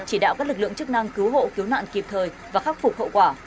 chỉ đạo các lực lượng chức năng cứu hộ cứu nạn kịp thời và khắc phục hậu quả